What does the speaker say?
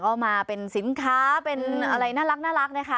ก็มาเป็นสินค้าเป็นอะไรน่ารักนะคะ